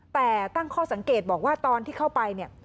แต่ตั้งข้อสังเกตบอกว่าตอนที่เข้าไปเนี่ย